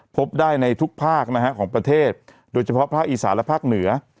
พบได้ในทุกภาคนะฮะของประเทศโดยเฉพาะภาคอีสานและภาคเหนือ